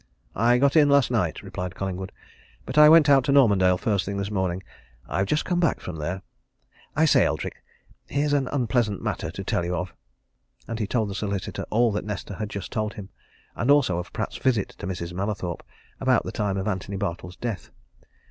"I got in last night," replied Collingwood. "But I went out to Normandale first thing this morning: I've just come back from there. I say, Eldrick, here's an unpleasant matter to tell you of"; and he told the solicitor all that Nesta had just told him, and also of Pratt's visit to Mrs. Mallathorpe about the time of Antony Bartle's death.